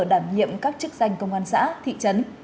đảm nhiệm các chức danh công an xã thị trấn